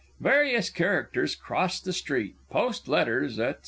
Various Characters cross the street, post letters, &c.